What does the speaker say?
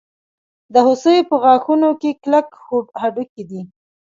د هوسۍ په غاښونو کې کلک هډوکی دی.